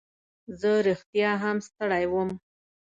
زه رښتیا هم ستړی وم.